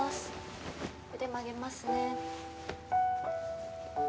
腕曲げますね。